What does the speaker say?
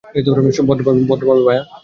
ভদ্রভাবে, ভায়া।